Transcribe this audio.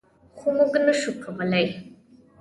خو موږ نشو کولی.